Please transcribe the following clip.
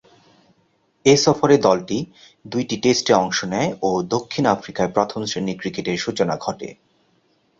এ সফরে দলটি দুই টেস্টে অংশ নেয় ও দক্ষিণ আফ্রিকায় প্রথম-শ্রেণীর ক্রিকেটের সূচনা ঘটে।